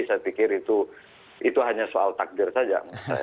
saya pikir itu hanya soal takdir saja